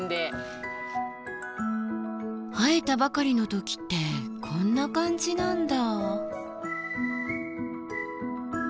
生えたばかりの時ってこんな感じなんだ。